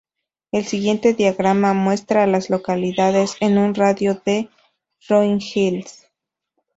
El siguiente diagrama muestra a las localidades en un radio de de Rolling Hills.